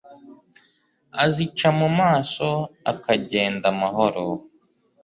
azica mu maso akagenda amahoro.